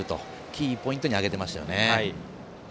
キーポイントに挙げてましたよね。